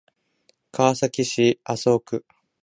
川崎市麻生区